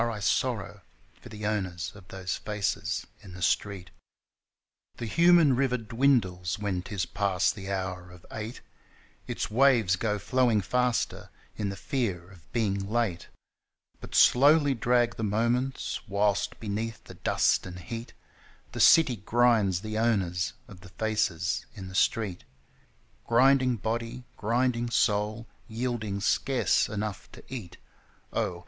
I sorrow for the owners of those faces in the street. FACES IN THE STREET 11 The human river dwindles when 'tis past the hour of eight, Its waves go flowing faster in the fear of being late; But slowly drag the moments, whilst beneath the dust and heat The city grinds the owners of the faces in the street Grinding body, grinding soul, Yielding scarce enough to eat Oh